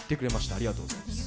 ありがとうございます。